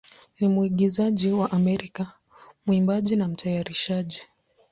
ni mwigizaji wa Amerika, mwimbaji, na mtayarishaji.